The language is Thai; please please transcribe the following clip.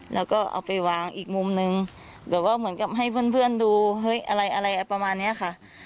แล้วก็เอาไปวางอีกมุมนึงเหมือนกับให้เพื่อนดูอะไรประมาณนี้ค่ะ